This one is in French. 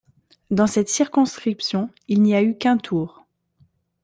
Dans cette circonscription, il n'y a eu qu'un tour.